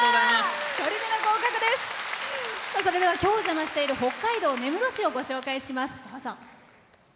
それでは今日、お邪魔している北海道根室市をご紹介します。